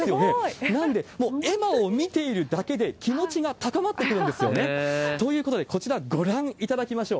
なんで、もう絵馬を見ているだけで、気持ちが高まってくるんですよね。ということで、こちらご覧いただきましょう。